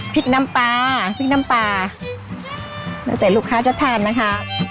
พริกน้ำปลาพริกน้ำปลาตั้งแต่ลูกค้าจะทานนะคะ